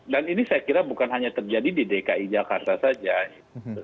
dan ini saya kira bukan hanya terjadi di dki jakarta saja gitu